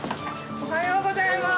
おはようございます。